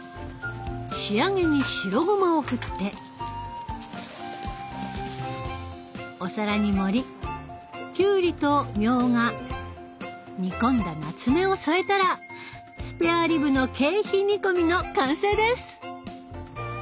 仕上げに白ごまを振ってお皿に盛りきゅうりとみょうが煮込んだなつめを添えたらスペアリブの桂皮煮込みの完成です！